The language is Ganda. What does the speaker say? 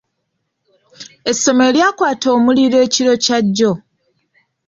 Essomero lyakwata omuliro ekiro kya jjo.